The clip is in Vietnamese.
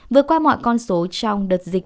vượt qua mọi con số trong đợt dịch